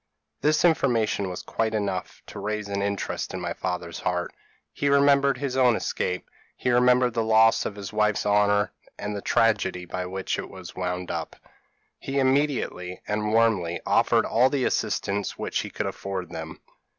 p> "This information was quite enough to raise an interest in my father's heart, he remembered his own escape; he remembered the loss of his wife's honour, and the tragedy by which it was wound up. He immediately, and warmly, offered all the assistance which he could afford them.